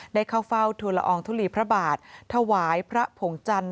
ได้เข้าเฝ้าทุลอองทุลีพระบาทถวายพระผงจันท